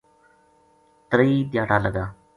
تریئی دھیاڑا لگا۔